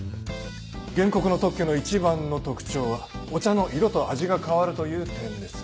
原告の特許の一番の特徴は「お茶の色と味が変わる」という点です。